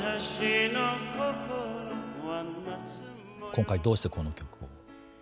今回どうしてこの曲を？